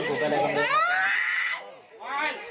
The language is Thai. กูเอาก็ไปสิ